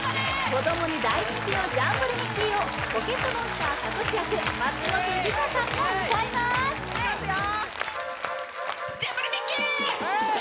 子供に大人気の「ジャンボリミッキー！」を「ポケットモンスター」サトシ役松本梨香さんが歌いますいきますよ！